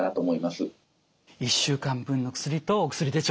１週間分の薬とお薬手帳